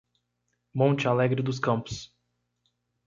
Monte Alegre dos Campos